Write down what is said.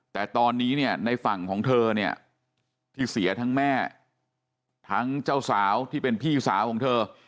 แต่ตอนนี้เนี่ยในฝั่งของเธอเนี่ยที่เสียทั้งแม่ทั้งเจ้าสาวที่เป็นพี่สาวของเธอ